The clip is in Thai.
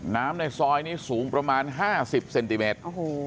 ในซอยนี้สูงประมาณ๕๐เซนติเมตร